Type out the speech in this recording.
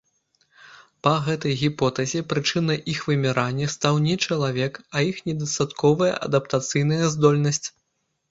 Па гэтай гіпотэзе прычынай іх вымірання стаў не чалавек, а іх недастатковая адаптацыйная здольнасць.